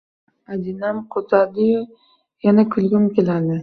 Ajinam qo`zadiyu, yana kulgim keladi